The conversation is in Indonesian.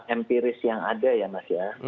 empiris yang ada ya mas ya